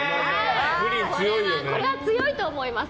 これは強いと思います。